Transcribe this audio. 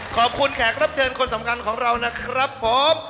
แขกรับเชิญคนสำคัญของเรานะครับผม